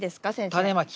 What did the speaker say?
タネまき。